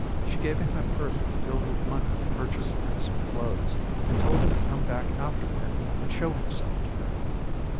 She gave him a purse filled with money to purchase handsome clothes, and told him to come back afterward and show himself to her.